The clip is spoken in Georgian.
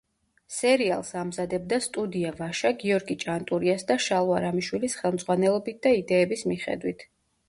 სერიალს ამზადებდა სტუდია „ვაშა“, გიორგი ჭანტურიას და შალვა რამიშვილის ხელმძღვანელობით და იდეების მიხედვით.